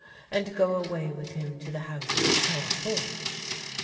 " and go away with him to the House with the Tall Porch.